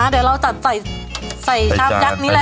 เดี๋ยวเราจะใส่ใส่ชามยักษ์นี้แหละค่ะ